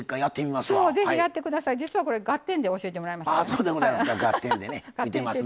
実は、これ「ガッテン！」で教えてもらいました。